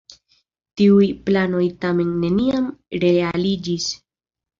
Tiuj planoj tamen neniam realiĝis.